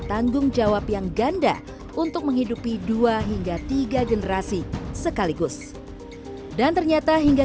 tanggung jawab yang ganda untuk menghidupi dua hingga tiga generasi sekaligus dan ternyata hingga